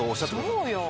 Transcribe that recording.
そうよ。